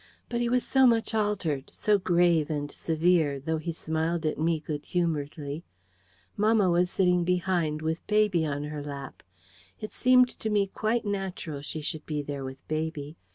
But he was so much altered, so grave and severe; though he smiled at me good humouredly. Mamma was sitting behind, with baby on her lap. It seemed to me quite natural she should be there with baby.